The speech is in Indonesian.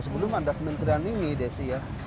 sebelum ada kementerian ini desi ya